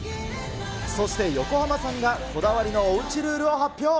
そして、横浜さんがこだわりのおうちルールを発表。